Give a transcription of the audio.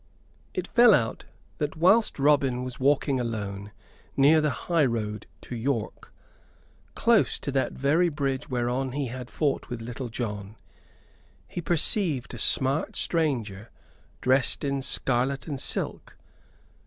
It fell out that whilst Robin was walking alone near the highroad to York, close to that very bridge whereon he had fought with Little John, he perceived a smart stranger dressed in scarlet and silk.